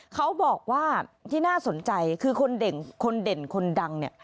เขาบอกว่าที่น่าสนใจคือคนเด่นคนดังเนี่ย